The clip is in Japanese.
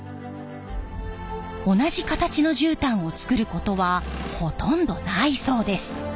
同じ形のじゅうたんを作ることはほとんどないそうです。